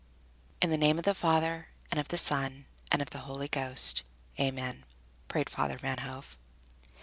"In the name of the Father and of the Son and of the Holy Ghost, Amen," prayed Father Van Hove.